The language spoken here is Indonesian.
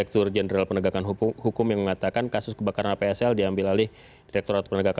terima kasih pak